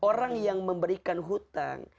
orang yang memberikan hutang